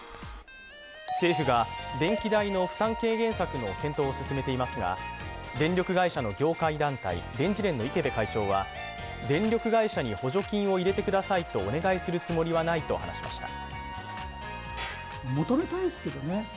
政府が電気代の負担軽減策の検討を進めていますが、電力会社の業界団体電事連の池辺会長は電力会社に補助金を入れてくださいとお願いするつもりはないと話しました。